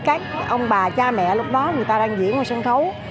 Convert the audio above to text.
các ông bà cha mẹ lúc đó người ta đang diễn ở sân khấu